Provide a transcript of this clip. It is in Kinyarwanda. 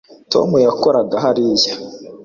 tom yakoraga hariya